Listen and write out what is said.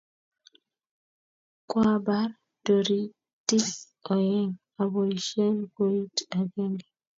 koabar toritik oeng' aboisien kooita agenge